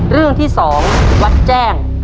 เรื่องที่๒วัดแจ้ง